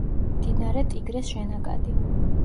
მდინარე ტიგრეს შენაკადი.